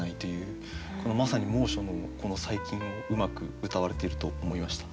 まさに猛暑のこの最近をうまくうたわれていると思いました。